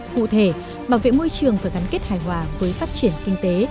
cụ thể bảo vệ môi trường phải gắn kết hài hòa với phát triển kinh tế